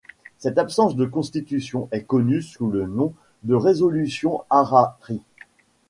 Cette absence de Constitution est connue sous le nom de résolution Harari.